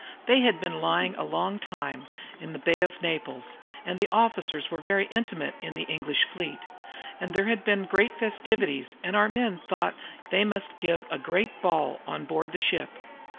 They had been lying a long time in the Bay of Naples, and the officers were very intimate in the English fleet, and there had been great festivities, and our men thought they must give a great ball on board the ship.